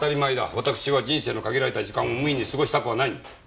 わたくしは人生の限られた時間を無為に過ごしたくはない。